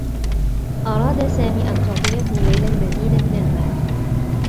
أراد سامي أن تعطيه ليلى المزيد من المال.